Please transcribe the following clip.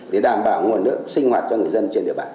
để đảm bảo nguồn nước sinh hoạt cho người dân